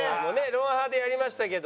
『ロンハー』でやりましたけど